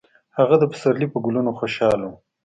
هغه د پسرلي په ګلونو خوشحاله و.